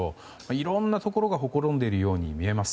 いろんなところがほころんでいるように見えます。